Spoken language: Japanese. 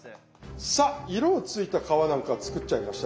さあ色ついた皮なんか作っちゃいました。